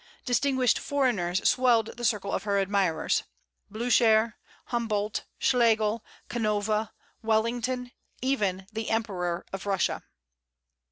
Distinguished foreigners swelled the circle of her admirers, Blücher, Humboldt, Schlegel, Canova, Wellington, even the Emperor of Russia.